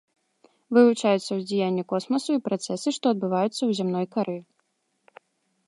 Вывучаюцца ўздзеянне космасу і працэсы, што адбываюцца ў зямной кары.